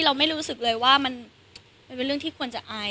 เราไม่รู้สึกเลยว่ามันเป็นเรื่องที่ควรจะอาย